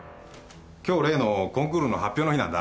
今日例のコンクールの発表の日なんだ。